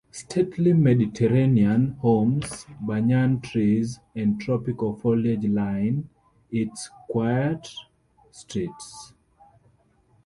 Stately Mediterranean homes, Banyan trees, and tropical foliage line its quiet streets.